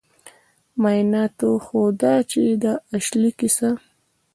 معایناتو ښوده چې د اشلي کیسه